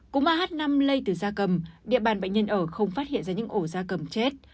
cúm ah năm lây từ da cầm địa bàn bệnh nhân ở không phát hiện ra những ổ da cầm chết